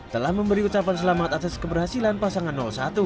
telah memberi ucapan selamat atas keberhasilan pasangan satu